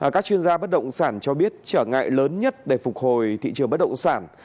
các chuyên gia bất động sản cho biết trở ngại lớn nhất để phục hồi thị trường bất động sản